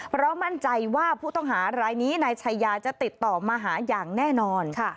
เพราะมั่นใจว่าผู้ต้องหารายนี้นายชายาจะติดต่อมาหาอย่างแน่นอน